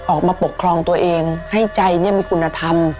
ออกมาปกครองตัวเองให้ใจมีคุณธรรม